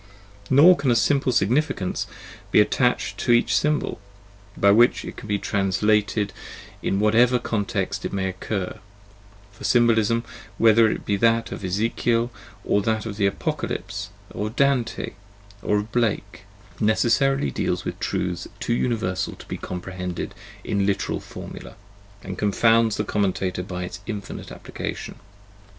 Nor can a simple significance be attached to each symbol, by which it may be translated in whatever context it may occur; for symbolism, whether it be that of Ezekiel or of the Apocalypse, of Dante or of Blake, necessarily deals with truths too universal to be comprehended in a literal formula, and confounds the commentator by its infinite application.